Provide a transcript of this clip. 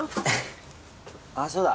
ああそうだ。